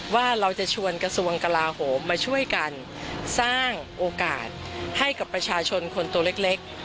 ว่าเราจะชวนกระทรวงกลาโหมมาช่วยกันสร้างโอกาสให้กับประชาชนคนตัวเล็ก